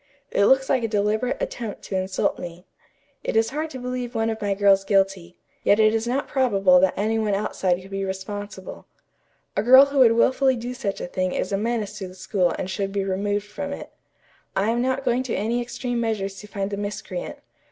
It looks like a deliberate attempt to insult me. It is hard to believe one of my girls guilty, yet it is not probable that any one outside could be responsible. A girl who would wilfully do such a thing is a menace to the school and should be removed from it. I am not going to any extreme measures to find the miscreant.